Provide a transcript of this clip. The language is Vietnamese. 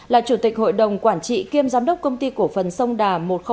là chủ tịch hội đồng quản trị kiêm giám đốc công ty cổ phần sông đà một trăm linh một